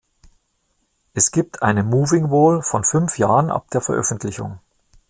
Es gibt eine Moving Wall von fünf Jahren ab der Veröffentlichung.